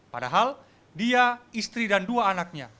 padahal dia istri dan dua anaknya